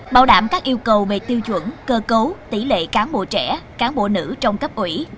bảo đảm các yêu cầu về tiêu chuẩn cơ cấu tỷ lệ cán bộ trẻ cán bộ nữ trong cấp ủy